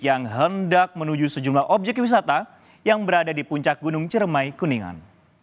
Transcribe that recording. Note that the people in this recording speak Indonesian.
yang hendak menuju sejumlah objek wisata yang berada di puncak gunung ciremai kuningan